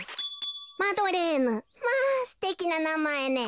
マドレーヌまあすてきななまえね。